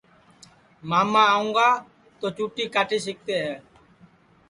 ماما آونگا تو چُوٹی کاٹی سِکتے ہے